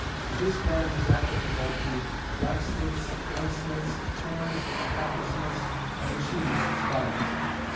This plan is applicable to blacksmiths', gunsmiths', tinners', coppersmiths' and machinists' files.